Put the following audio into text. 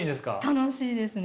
楽しいですね。